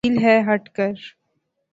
ذلیل ہے ہٹ کر